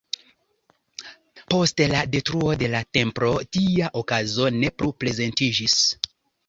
Post la detruo de la Templo tia okazo ne plu prezentiĝis.